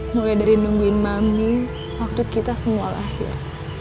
mulai dari nungguin mami waktu kita semua lahir